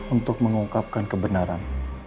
untuk mengungkapkan kebenaran